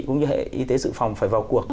cũng như hệ y tế sự phòng phải vào cuộc